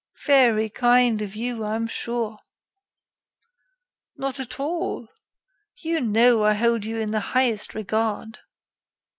"Very kind of you, I am sure." "Not at all. You know I hold you in the highest regard."